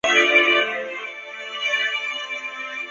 全罗道在当时已发展成水稻生产中心。